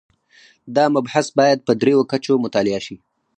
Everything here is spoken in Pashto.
دا مبحث باید په درېیو کچو مطالعه شي.